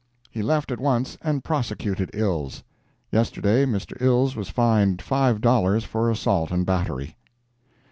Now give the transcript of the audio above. He left at once and prosecuted Ills. Yesterday Mr. Ills was fined five dollars for assault and battery.